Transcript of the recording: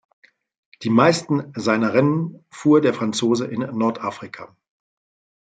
Die meisten seiner Rennen fuhr der Franzose in Nordafrika.